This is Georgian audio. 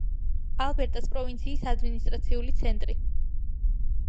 ალბერტას პროვინციის ადმინისტრაციული ცენტრი.